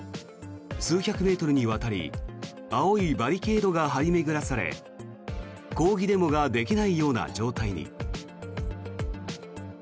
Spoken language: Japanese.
数百メートルにわたり青いバリケードが張り巡らされ抗議デモができないような状態に。